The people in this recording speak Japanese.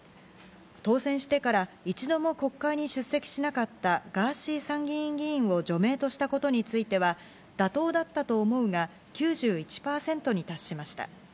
当選してから一度も国会に出席しなかったガーシー参議院議員を除名としたことについては、妥当だったと思うが９１％に達しました。